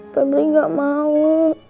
pebeli gak mau